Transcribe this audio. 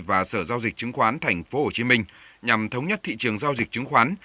và sở giao dịch chứng khoán tp hcm nhằm thống nhất thị trường giao dịch chứng khoán